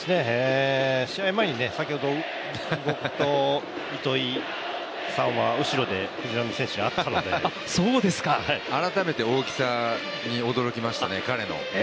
試合前に先ほど僕と糸井さんは後ろで藤浪選手に会ったので改めて大きさに驚きましたよね、彼の。